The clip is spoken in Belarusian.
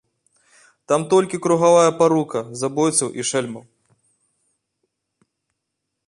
Там толькі кругавая парука забойцаў і шэльмаў.